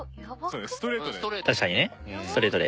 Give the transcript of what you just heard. そうだねストレートで。